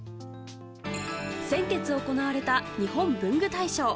先月行われた日本文具大賞。